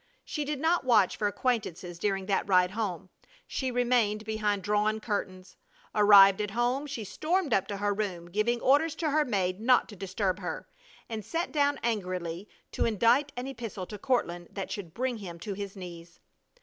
She did not watch for acquaintances during that ride home. She remained behind drawn curtains. Arrived at home, she stormed up to her room, giving orders to her maid not to disturb her, and sat down angrily to indite an epistle to Courtland that should bring him to his knees.